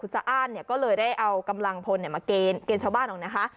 สะอ้านเนี่ยก็เลยได้เอากำลังพลมาเกณฑ์ชาวบ้านออกนะคะ